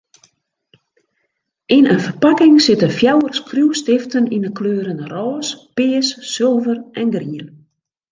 Yn in ferpakking sitte fjouwer skriuwstiften yn 'e kleuren rôs, pears, sulver en grien.